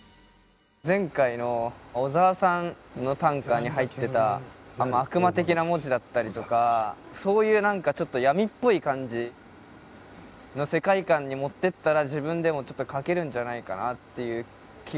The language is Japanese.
前回の小沢さんの短歌に入ってた悪魔的な文字だったりとかそういう何かちょっとに持ってったら自分でもちょっと書けるんじゃないかなっていう気がして。